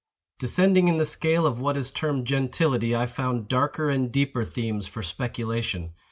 Descending in the scale of what is termed gentility, I found darker and deeper themes for speculation.